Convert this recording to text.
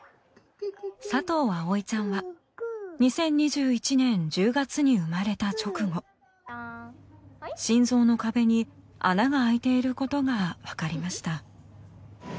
佐藤葵ちゃんは２０２１年１０月に生まれた直後心臓の壁に穴があいていることがわかりました。